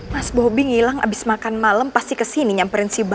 mas bobby ngilang abis makan malam pasti kesini nyamperin si babu